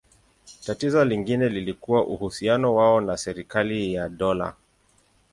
Tatizo lingine lilikuwa uhusiano wao na serikali na dola.